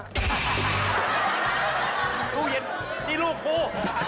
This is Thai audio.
แม่ครับนี่ลูกครู